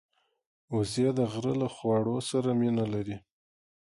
وزې د غره له خواړو سره مینه لري